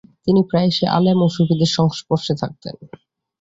তিনি প্রায়শই আলেম ও সুফীদের সংস্পর্ষে থাকতেন।